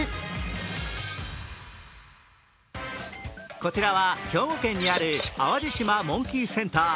こちらは兵庫県にある淡路島モンキーセンター。